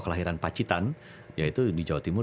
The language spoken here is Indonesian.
kelahiran pacitan yaitu di jawa timur